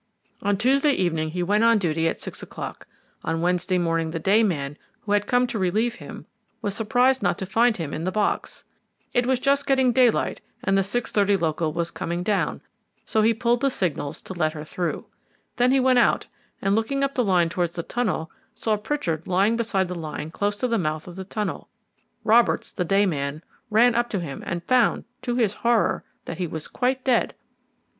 On Tuesday evening he went on duty at six o'clock; on Wednesday morning the day man who had come to relieve him was surprised not to find him in the box. It was just getting daylight, and the 6.30 local was coming down, so he pulled the signals and let her through. Then he went out, and, looking up the line towards the tunnel, saw Pritchard lying beside the line close to the mouth of the tunnel. Roberts, the day man, ran up to him and found, to his horror, that he was quite dead.